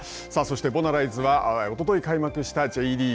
ボナライズはおととい開幕したＪリーグ。